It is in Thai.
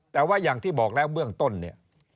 แต่ว่าอย่างที่บอกแล้วเบื้องต้นเนี่ย